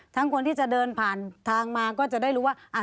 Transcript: คนที่จะเดินผ่านทางมาก็จะได้รู้ว่า